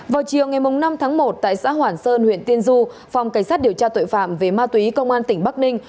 vào chiều ngày năm tháng một tại xã hoản sơn huyện tiên du phòng cảnh sát điều tra tội phạm về ma túy công an tỉnh bắc ninh